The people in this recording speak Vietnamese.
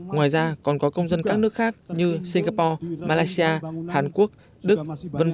ngoài ra còn có công dân các nước khác như singapore malaysia hàn quốc đức v v